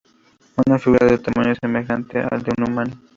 Una figura de tamaño semejante al de un humano.